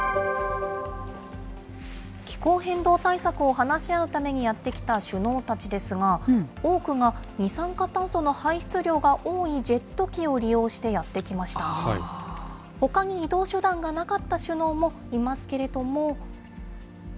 気候変動対策を話し合うためにやって来た首脳たちですが、多くが、二酸化炭素の排出量が多いジェット機を利用してやって来ました。ほかに移動手段がなかった首脳もいますけれども。